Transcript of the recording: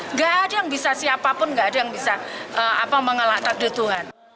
nggak ada yang bisa siapapun nggak ada yang bisa mengelak takdir tuhan